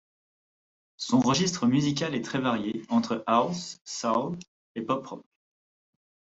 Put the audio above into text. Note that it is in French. Son registre musical est très varié, entre house, soul et pop rock.